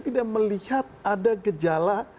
tidak melihat ada gejala